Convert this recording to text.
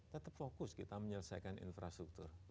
tetap fokus kita menyelesaikan infrastruktur